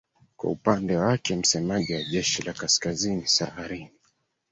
kwa upande wake msemaji wa jeshi la kaskazini sawarimi